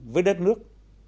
với đất nước